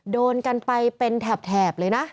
โดนกันไปเป็นแถบเลยนะ